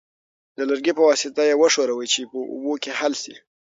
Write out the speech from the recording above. د لرګي په واسطه یې وښورئ چې په اوبو کې حل شي.